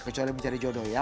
kecuali mencari jodoh ya